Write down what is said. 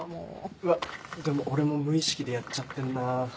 うわでも俺も無意識でやっちゃってんな。